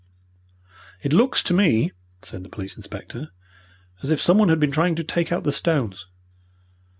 "It looks to me," said the police inspector, "as if someone had been trying to take out the stones."